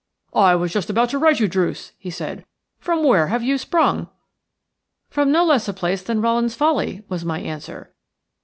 "I was just about to wire to you, Druce," he said. "From where have you sprung?" "From no less a place than Rowland's Folly," was my answer.